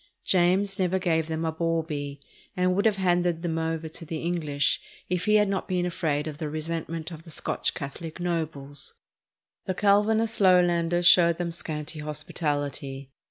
James never gave them a baw bee, and would have handed them over to the English if he had not been afraid of the resentment of the Scotch Catholic nobles. The Calvinist Lowlanders showed them scanty hospitality.